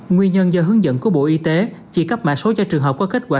nguyên nhân do hướng dẫn của bộ y tế chỉ cấp mã số cho trường hợp có kết quả